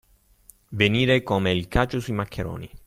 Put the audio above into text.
Venire come il caccio sui maccheroni.